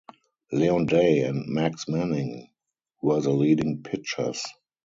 Leon Day and Max Manning were the leading pitchers.